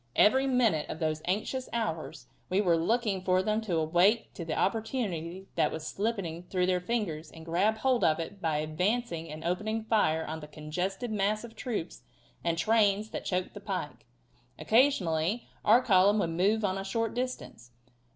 Every minute of those anxious hours we were looking for them to awake to the opportunity that was slipping through their fingers and grab hold of it by advancing and opening fire on the congested mass of troops and trains that choked the pike. Occasionally our column would move on a short distance.